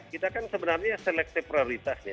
kita kan sebenarnya seleksi prioritas nih